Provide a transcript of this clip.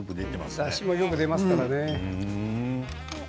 だしがよく出ていますからね。